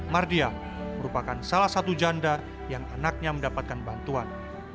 mardia merupakan salah satu janda yang anaknya mendapatkan bantuan